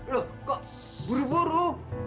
loh kok buru buru